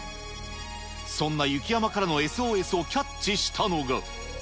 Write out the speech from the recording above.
そんな雪山からのＳＯＳをキャッチしたのが。